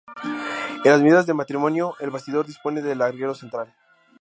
En las medidas de matrimonio, el bastidor dispone de larguero central.